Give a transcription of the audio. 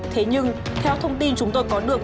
thế nhưng theo thông tin chúng tôi có được